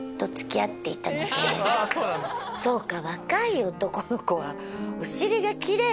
そうか！